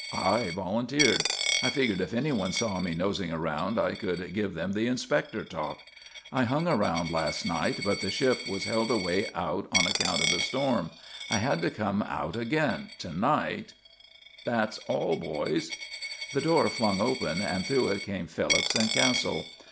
I volunteered. I figured if any one saw me nosing around I could give them the inspector talk. I hung around last night but the ship was held away out on account of the storm. I had to come out again to night that's all, boys " The door flung open and through it came Phillips and Castle.